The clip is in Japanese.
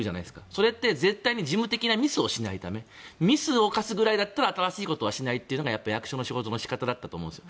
それは事務的なミスをしないためミスを犯すぐらいだったら新しいことはしないというのが役場だったと思うんです。